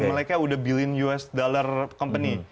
mereka udah billion us dollar company